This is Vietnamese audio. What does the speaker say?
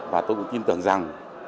và tôi cũng tin tưởng rằng